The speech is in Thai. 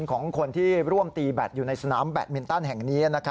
ของคนที่ร่วมตีแบตอยู่ในสนามแบตมินตันแห่งนี้